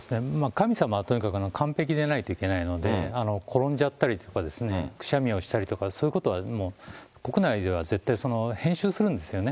神様はとにかく完璧でないといけないので、転んじゃったりとか、くしゃみをしたりとかそういうことはもう、国内では絶対、編集するんですよね。